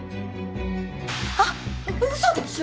あっ！嘘でしょ！？